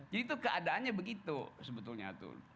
jadi itu keadaannya begitu sebetulnya